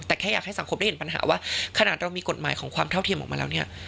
แต่แค่อยากให้สังคมได้เห็นปัญหาว่าขนาดเรามีกฎหมายของความเท่าเทียมออกมาแล้วเนี่ย